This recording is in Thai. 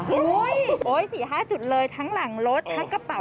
๔๕กุญแจเลยทั้งหลังรถและกระเป๋า